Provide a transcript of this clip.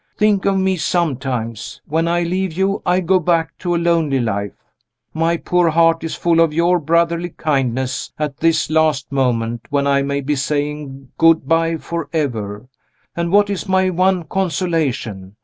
Think of me sometimes. When I leave you I go back to a lonely life. My poor heart is full of your brotherly kindness at this last moment when I may be saying good by forever. And what is my one consolation?